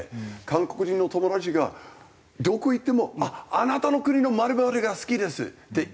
韓国人の友達がどこ行っても「あなたの国の○○が好きです」って言われるって。